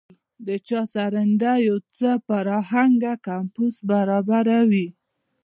د چا سرېنده يو څه پر اهنګ او کمپوز برابره وي.